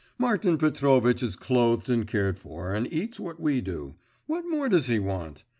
'Martin Petrovitch is clothed and cared for, and eats what we do. What more does he want?